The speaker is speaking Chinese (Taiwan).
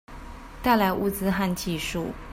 帶來物資和技術